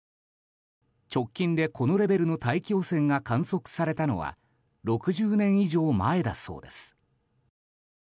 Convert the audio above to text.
直近で、このレベルの大気汚染が観測されたのは６０年以上前だそうです。